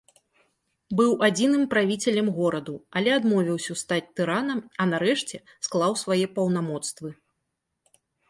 Быў адзіным правіцелем гораду, але адмовіўся стаць тыранам, а нарэшце склаў свае паўнамоцтвы.